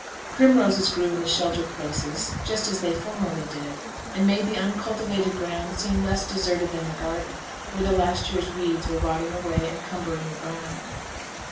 Primroses grew in the sheltered places, just as they formerly did; and made the uncultivated ground seem less deserted than the garden, where the last year's weeds were rotting away, and cumbering the ground.